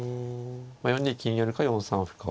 まあ４二金寄か４三歩か。